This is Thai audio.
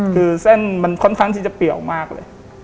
คือเส้นมันค่อนข้างที่จะเปรียวมากเลย